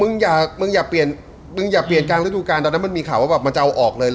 ในตอนนั้นมันมีข่าวว่ากันมันจะเอาออกเลย